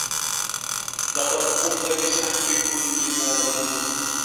لقد قمتَ بسحب كلّ مالك.